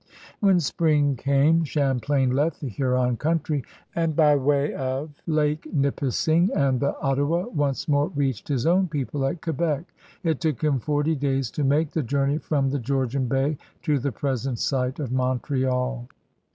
When spring came, Champlain left the Hiuron country and by way of Lake Nipissing and the Ottawa once more reached his own people at Quebec. It took him forty days to make the journey from the Georgian Bay to the present site of Montreal.